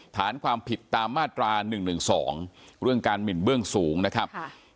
ฐานความผิดตามมาตรา๑๑๒เรื่องการหมินเบื้องสูงนะครับ